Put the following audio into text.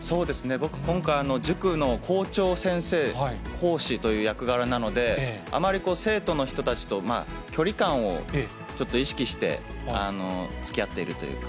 僕、今回、塾の校長先生、講師という役柄なので、あまり生徒の人たちと距離感をちょっと意識して、つきあっているというか。